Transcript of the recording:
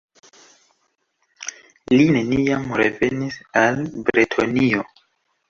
Li neniam revenis al Bretonio.